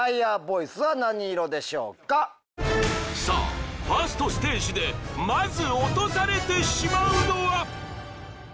［さあファーストステージでまず落とされてしまうのは？］